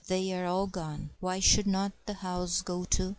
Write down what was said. They are all gone. Why should not the house go too?